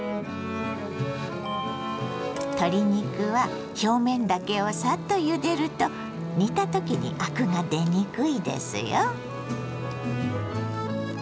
鶏肉は表面だけをサッとゆでると煮た時にアクが出にくいですよ。